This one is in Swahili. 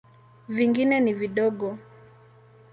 Vingine ni vidogo.